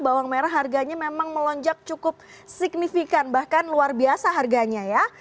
bawang merah harganya memang melonjak cukup signifikan bahkan luar biasa harganya ya